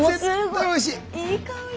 いい香り。